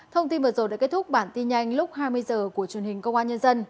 thông tin vừa rồi đã kết thúc bản tin nhanh lúc hai mươi h của truyền hình công an nhân dân